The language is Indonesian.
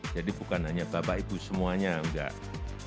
jadi bukan hanya bapak ibu semuanya enggak